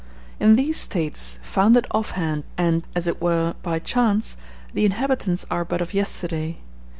In these States, founded off hand, and, as it were, by chance, the inhabitants are but of yesterday.